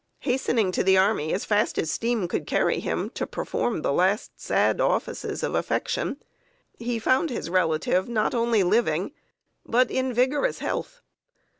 Hastening to the army as fast as steam could carry him, to perform the last sad offices of affection, he found his relative not only living, but in vigorous health.